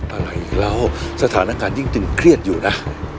อะไรอีกแล้วสถานการณ์ยิ่งตึงเครียดอยู่นะ